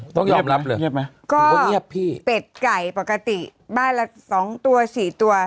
ต้องยอมรับเลยเงียบไหมก็ถือว่าเงียบพี่เป็ดไก่ปกติบ้านละสองตัวสี่ตัว